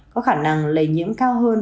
có khả năng lây nhiễm cao hơn